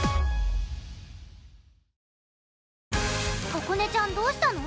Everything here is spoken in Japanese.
ここねちゃんどうしたの？